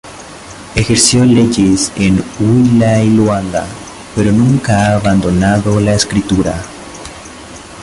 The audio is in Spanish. Ejerció leyes en Huila y Luanda, pero nunca ha abandonado la escritura.